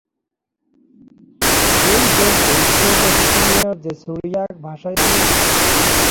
এই গ্রন্থে উত্তর মেসোপটেমিয়ার যে সিরিয়াক-ভাষীদের পৌত্তলিক ধর্মবিশ্বাসের বিবরণ দেওয়া হয়েছে তারা প্রধানত ছিল আরবদেশীয়।